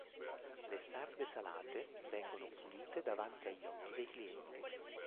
Le sarde salate vengono pulite davanti agli occhi dei clienti.